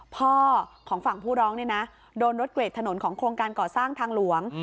พ่อของฝั่งผู้ร้องเนี่ยนะโดนรถเกรดถนนของโครงการก่อสร้างทางหลวง